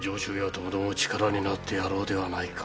ともども力になってやろうではないか。